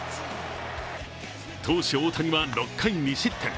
投手・大谷は６回２失点。